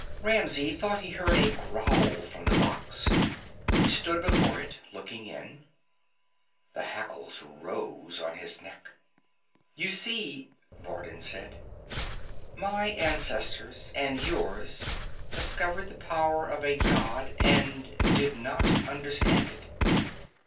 Ramsey thought he heard a growl from the box. He stood before it, looking in. The hackles rose on his neck. "You see," Vardin said. "My ancestors and yours discovered the power of a god and did not understand it.